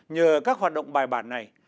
nhờ các hoạt động bài bản này